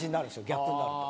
逆になると。